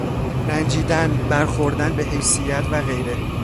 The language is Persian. رنجیدن، برخوردن به حیثیت و غیره